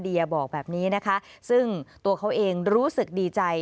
เดียบอกแบบนี้ซึ่งตัวเขาเองรู้สึกดีใจ